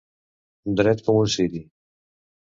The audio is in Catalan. Dret com un ciri.